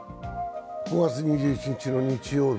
５月２１日の日曜日。